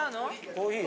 ・コーヒー。